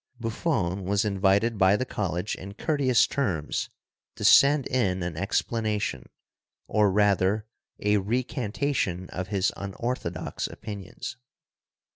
Buffon was invited by the college in courteous terms to send in an explanation, or rather a recantation, of his un orthodox opinions.